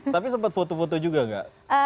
tapi sempat foto foto juga gak